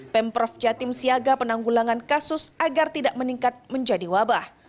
pemprov jatim siaga penanggulangan kasus agar tidak meningkat menjadi wabah